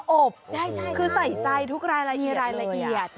ใช่ครับมีรายละเอียดเลยคือใส่ใจทุกรายละเอียด